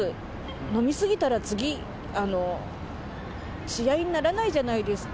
飲み過ぎたら、次、試合にならないじゃないですか。